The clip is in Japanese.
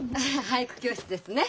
俳句教室ですね？